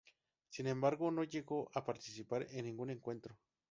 Sin embargo, no llegó a participar en ningún encuentro.